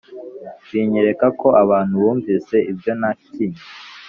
binyereka ko abantu bumvise ibyo nakinnye